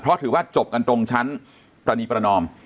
เพราะถือว่าจบกันตรงชั้นปรณีประนอม